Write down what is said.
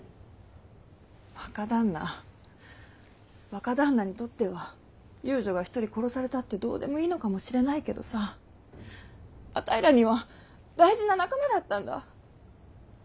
若旦那若旦那にとっては遊女が一人殺されたってどうでもいいのかもしれないけどさあたいらには大事な仲間だったんだ。